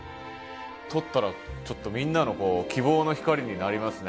取ったらちょっとみんなの希望の光になりますね。